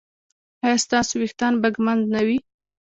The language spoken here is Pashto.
ایا ستاسو ویښتان به ږمنځ نه وي؟